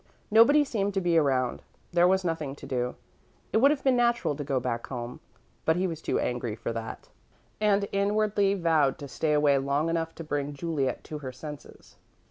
Nobody seemed to be around there was nothing to do. It would have been natural to go back home, but he was too angry for that, and inwardly vowed to stay away long enough to bring Juliet to her senses.